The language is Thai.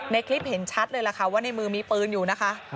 คลิปเห็นชัดเลยล่ะค่ะว่าในมือมีปืนอยู่นะคะ